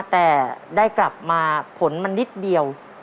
แต่ได้กลับมาผลมันนิดเดียว